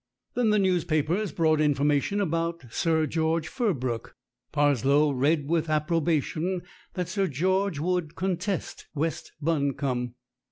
Then the newspapers brought information about Sir George Firbrook. Parslow read with approbation that Sir George would contest West Buncombe.